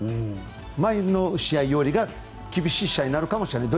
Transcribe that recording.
前の試合より厳しい試合になるかもしれない。